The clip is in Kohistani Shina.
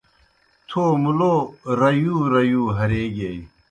تھو مُلو ریُو ریُو ہریگیئی۔